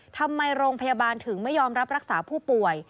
ทำไมโรงพยาบาลถึงไม่ยอมรับรักษาผู้ป่วย